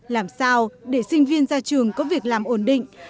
làm sao để sinh viên ra trường có việc làm ổn định